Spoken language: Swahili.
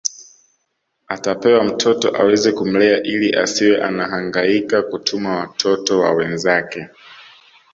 Atapewa mtoto aweze kumlea ili asiwe anahangaika kutuma watoto wa wenzake